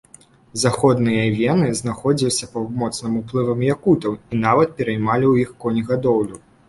Заходнія эвены знаходзіліся пад моцным уплывам якутаў і нават пераймалі ў іх конегадоўлю.